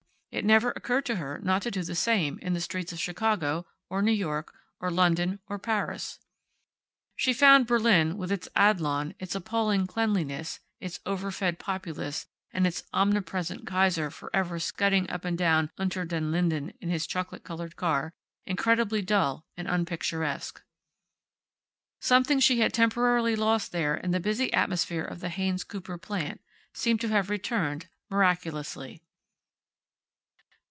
It never occurred to her not to do the same in the streets of Chicago, or New York, or London, or Paris. She found Berlin, with its Adlon, its appalling cleanliness, its overfed populace, and its omnipresent Kaiser forever scudding up and down Unter den Linden in his chocolate colored car, incredibly dull, and unpicturesque. Something she had temporarily lost there in the busy atmosphere of the Haynes Cooper plant, seemed to have returned, miraculously.